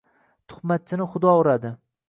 Tuhmatchini Xudo uradi.